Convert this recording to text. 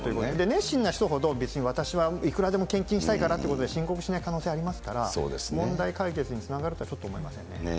熱心な人ほど、別に私はいくらでも献金したいからということで、申告しない可能性ありますから、問題解決につながるとはちょっと思えませんね。